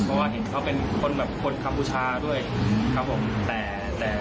เพราะว่าเห็นเขาเป็นคนแบบคนคัมพูชาด้วยครับผมแต่แต่